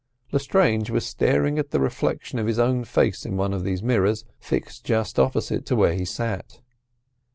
Lestrange was staring at the reflection of his own face in one of these mirrors fixed just opposite to where he sat.